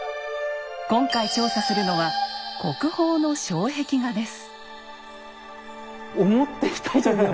今回調査するのは国宝の障壁画です。